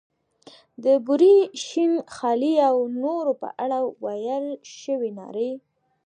د بورې، شین خالۍ او نورو په اړه ویل شوې نارې.